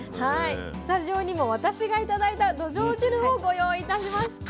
スタジオにも私が頂いたどじょう汁をご用意いたしました。